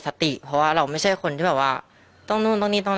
สติเพราะว่าเราไม่ใช่คนที่แบบว่าต้องนู่นต้องนี่ต้อง